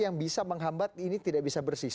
yang bisa menghambat ini tidak bisa bersih